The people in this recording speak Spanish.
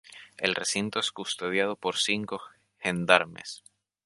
El recinto es custodiado por cinco gendarmes.